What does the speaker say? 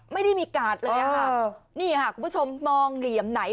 ไม่ได้มีกาดเลยค่ะนี่ค่ะคุณผู้ชมมองเหลี่ยมไหน